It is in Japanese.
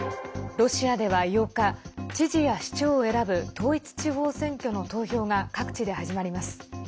ロシアでは８日知事や市長を選ぶ統一地方選挙の投票が各地で始まります。